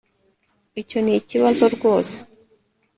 icyo nikibazo rwose